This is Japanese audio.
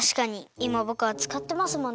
いまぼくがつかってますもんね。